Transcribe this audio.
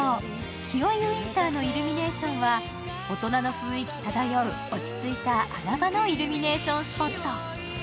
ＫＩＯＩＷＩＮＴＥＲのイルミネーションは、大人の雰囲気漂う落ち着いた穴場のイルミネーションスポット。